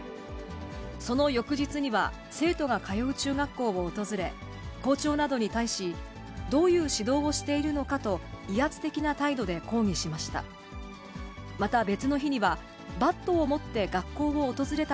その翌日には、生徒が通う中学校を訪れ、校長などに対し、どういう指導をしているのかと、威圧的な態度で抗議しました。